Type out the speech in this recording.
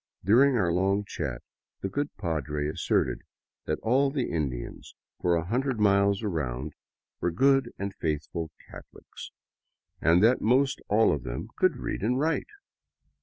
During our long chat the good padre asserted that all the Indians for a hundred miles around 97 VAGABONDING DOWN THE ANDES were good and faithful Catholics, and that almost all of them could read and write